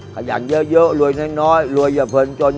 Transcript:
ขยันเยอะรวยน้อยรวยอย่าเพลินจน